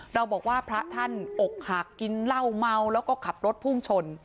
เราบอกว่าพระท่านอกหักกินเหล้าเมาแล้วก็ขับรถพุ่งชน